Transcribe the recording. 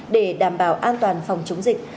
để đảm bảo an toàn phòng chống dịch